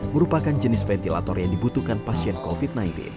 merupakan jenis ventilator yang dibutuhkan pasien covid sembilan belas